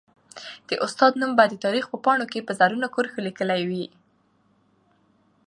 د استاد نوم به د تاریخ په پاڼو کي په زرینو کرښو ليکلی وي.